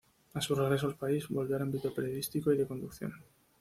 A su regreso al país volvió al ámbito periodístico y de conducción.